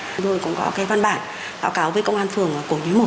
chúng tôi cũng có văn bản báo cáo với công an phường cổ nhí một